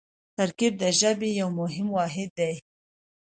ترکیب د ژبې یو مهم واحد دئ.